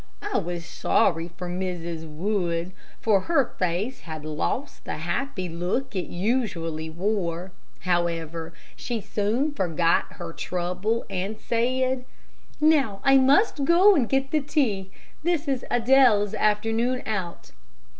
I was sorry for Mrs. Wood, for her face had lost the happy look it usually wore. However, she soon forgot her trouble, and said: "Now, I must go and get the tea. This is Adele's afternoon out."